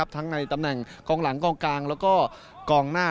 ทั้งในตำแหน่งกองหลังกองกลางแล้วก็กองหน้า